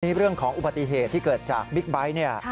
นี่เรื่องของอุบัติเหตุที่เกิดจากบิ๊กไบท์เนี่ย